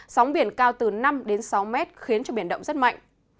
sóng biển cao từ năm đến sáu mét khiến cho biển động rất mạnh